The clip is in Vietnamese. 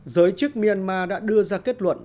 giới chức myanmar đã đưa ra kết luận